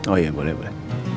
oh ya boleh boleh